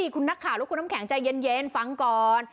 คุณนักข่าวและคุณน้ำแข็งใจเย็นฟังก่อน